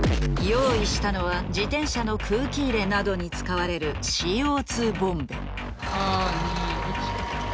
用意したのは自転車の空気入れなどに使われるＣＯ２ボンベ。